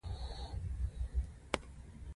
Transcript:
زکات د مال د پاکوالې او تذکیې سبب کیږی.